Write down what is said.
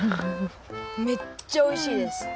めっちゃおいしいです！